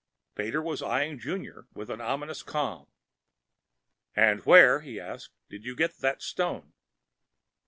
Pater was eyeing Junior with ominous calm. "And where," he asked, "did you get that stone?"